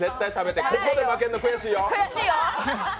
ここで負けるの悔しいよ。